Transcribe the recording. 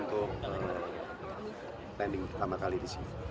untuk landing pertama kali di sini